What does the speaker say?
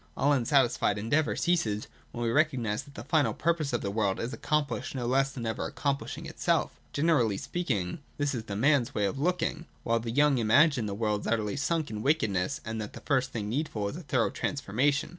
All unsatisfied endeavour ceases, when we recognise that the final purpose of the world is accomplished no less than ever accomplishing itself. Gene rally speaking, this is the man's way of looking; while the young imagine that the world is utterly sunk in wickedness, and that the first thing needful is a thorough transformation.